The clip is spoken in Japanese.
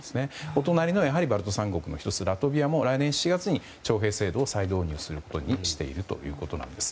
お隣の、やはりバルト三国の１つラトビアも来年７月に徴兵制度を再導入することにしているということです。